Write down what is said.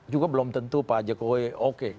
juga belum tentu pak jokowi oke